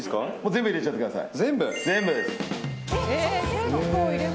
全部入れちゃってください。